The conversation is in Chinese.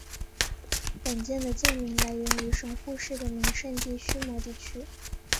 本舰的舰名来源于神户市的名胜地须磨地区。